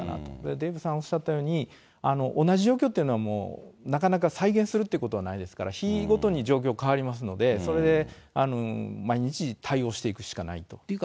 デーブさんおっしゃったように、同じ状況っていうのはなかなか再現するということはないですから、日ごとに状況変わりますので、それで毎日対応していくしかないということです。